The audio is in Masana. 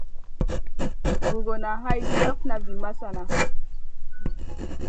Guruna hay jafna vi masana.